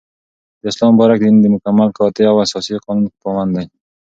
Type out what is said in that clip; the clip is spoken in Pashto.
داسلام مبارك دين دمكمل ، قاطع او اساسي قانون پابند دى